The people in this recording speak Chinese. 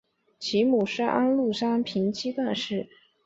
其母是安禄山平妻段氏。